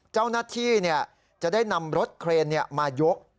เจ้าหน้าที่จะได้นำรถเครนมายก